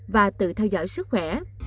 và tự theo dõi sức khỏe